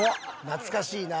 懐かしいな。